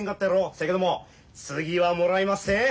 せやけども次はもらいまっせ。